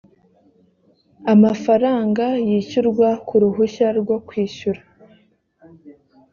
amafaranga yishyurwa ku ruhushya rwo kwishyura